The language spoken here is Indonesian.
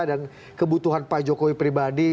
dan kebutuhan pak jokowi pribadi